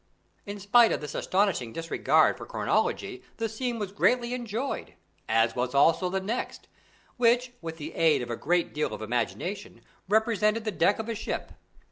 In spite of this astonishing disregard for chronology, the scene was greatly enjoyed, as was also the next, which with the aid of a great deal of imagination, represented the deck of a ship.